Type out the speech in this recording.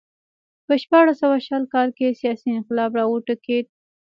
په شپاړس سوه شل کال کې سیاسي انقلاب راوټوکېد